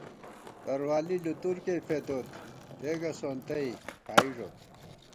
تروالی لُتُرکېئی فېدوت، دېگہ سونتَئ کھائی ݫوت